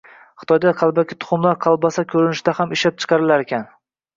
: Xitoyda qalbaki tuxumlar kolbasa koʻrinishida ham ishlab chiqarilarkan.